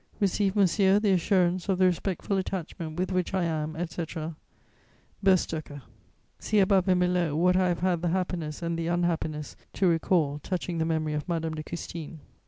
"Receive, monsieur, the assurance of the respectful attachment with which I am, etc., "BERSTŒCHER." See above and below what I have had the happiness and the unhappiness to recall touching the memory of Madame de Custine.